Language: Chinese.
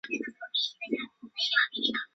这是以吉卜林的著名原作为基础所做的动画。